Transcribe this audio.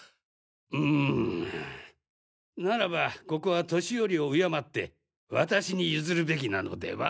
うむならばここは年寄りを敬って私に譲るべきなのでは？